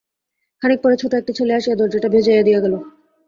খানিক পরে ছোট একটি ছেলে আসিয়া দরজাটা ভেজাইয়া দিয়া গেল।